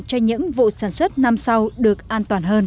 cho những vụ sản xuất năm sau được an toàn hơn